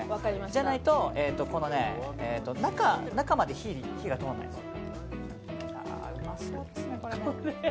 じゃないと中まで火が通らないんです。